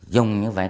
dùng như vậy